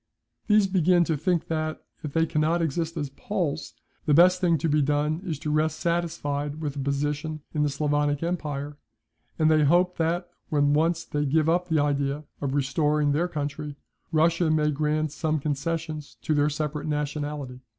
These begin to think that, if they cannot exist as Poles, the best thing to be done is to rest satisfied with a position in the Sclavonic empire, and they hope that, when once they give up the idea of restoring their country, Russia may grant some concessions to their separate nationality.